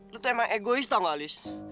lo itu emang egois tau gak liz